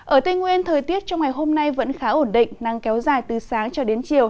ở tây nguyên thời tiết trong ngày hôm nay vẫn khá ổn định năng kéo dài từ sáng cho đến chiều